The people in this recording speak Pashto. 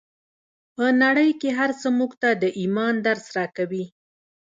په نړۍ کې هر څه موږ ته د ايمان درس راکوي.